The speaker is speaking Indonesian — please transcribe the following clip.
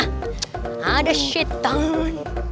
ck ada syetan